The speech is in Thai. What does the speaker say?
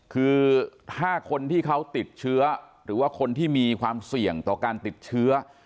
คือถ้าคนที่เขาติดเชื้อหรือว่าคนที่มีความเสี่ยงต่อการติดเชื้อ